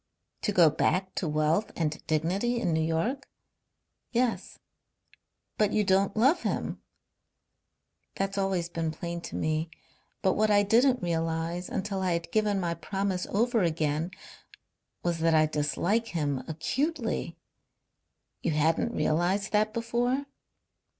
"To go back to wealth and dignity in New York?" "Yes." "But you don't love him?" "That's always been plain to me. But what I didn't realize, until I had given my promise over again, was that I dislike him acutely." "You hadn't realized that before?"